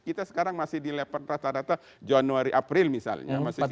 kita sekarang masih di level rata rata januari april misalnya